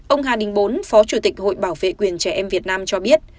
ông hà đình bốn phó chủ tịch hội bảo vệ quyền trẻ em việt nam cho biết